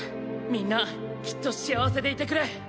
みんなきっと幸せでいてくれ。